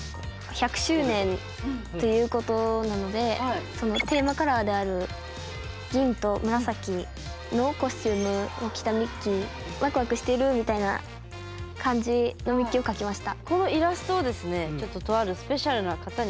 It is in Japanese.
１００周年ということなのでテーマカラーである銀と紫のコスチュームを着たミッキーワクワクしてるみたいな感じのミッキーを描きました。